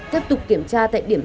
tiếp tục kiểm tra tại điểm ba